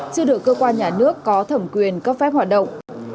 chưa được cơ quan nhà nước có thẩm quyền cấp phép hoạt động